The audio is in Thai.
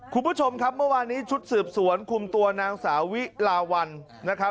คุณผู้ชมครับเมื่อวานี้ชุดสืบสวนคุมตัวนางสาวิลาวันนะครับ